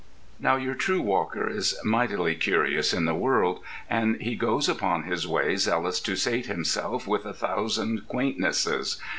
Now your true walker is mightily "curious in the world," and he goes upon his way zealous to sate himself with a thousand quaintnesses.